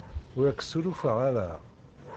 Ur ak-ssurufeɣ ara.